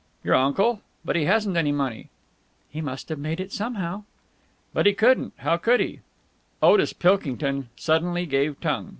"Your uncle! But he hasn't any money!" "He must have made it somehow." "But he couldn't! How could he?" Otis Pilkington suddenly gave tongue.